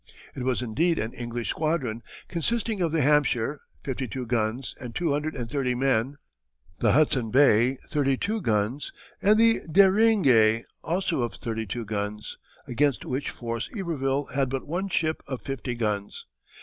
It was indeed an English squadron, consisting of the Hampshire, fifty two guns and two hundred and thirty men; the Hudson Bay, thirty two guns, and the Deringue, also of thirty two guns, against which force Iberville had but one ship of fifty guns.